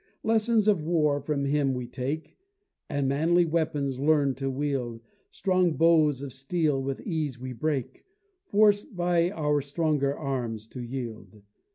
Lessons of war from Him we take, And manly weapons learn to wield; Strong bows of steel with ease we break, Forced by our stronger arms to yield.